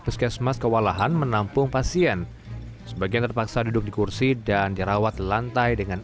puskesmas kewalahan menampung pasien sebagian terpaksa duduk di kursi dan dirawat lantai dengan